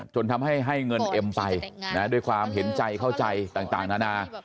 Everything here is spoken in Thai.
จนทำให้ให้เงินเอ็มไปด้วยความเห็นใจเข้าใจต่างนานา